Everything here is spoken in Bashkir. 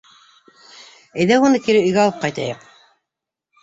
Әйҙә, уны кире өйгә алып ҡайтайыҡ.